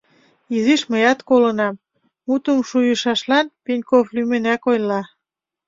— Изиш мыят колынам, — мутым шуйышашлан Пеньков лӱмынак ойла.